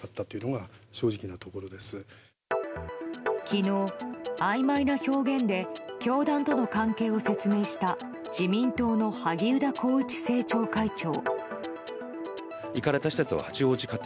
昨日、あいまいな表現で教団との関係を説明した自民党の萩生田光一政調会長。